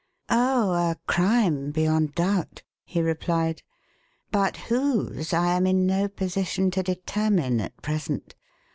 "Oh, a crime beyond doubt," he replied. "But whose I am in no position to determine at present.